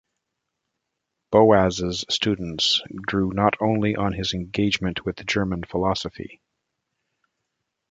Boas's students drew not only on his engagement with German philosophy.